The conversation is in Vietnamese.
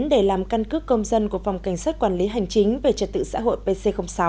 để làm căn cước công dân của phòng cảnh sát quản lý hành chính về trật tự xã hội pc sáu